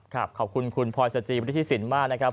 ครับขอบคุณคุณพรชินทร์ดังนั่นมากนะครับ